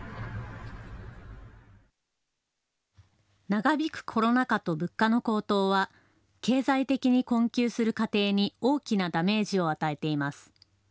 長引くコロナ禍と物価の高騰は経済的に困窮する家庭に大きなダメージを与えています。